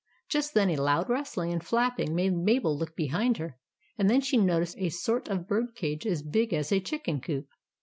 Just then a loud rustling and flapping made Mabel look behind her, and then she noticed a sort of bird cage as big as a chicken coop.